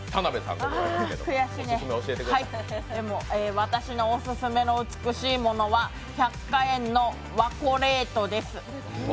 私のオススメの美しいものは百花園のＷＡＣＯＬＡＴＥです。